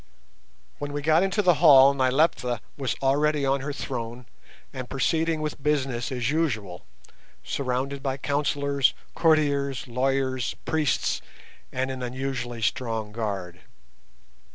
When we got into the hall Nyleptha was already on her throne and proceeding with business as usual, surrounded by councillors, courtiers, lawyers, priests, and an unusually strong guard.